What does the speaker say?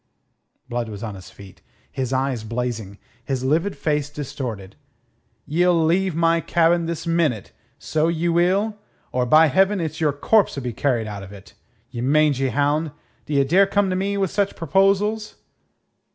Blood was on his feet, his eyes blazing, his livid face distorted. "Ye'll leave my cabin this minute, so ye will, or, by Heaven, it's your corpse'll be carried out of it. Ye mangy hound, d'ye dare come to me with such proposals?"